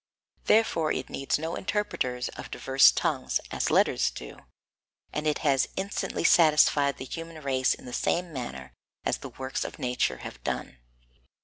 Therefore it needs no interpreters of diverse tongues, as letters do, and it has instantly satisfied the human race in the same manner as the works of nature have done.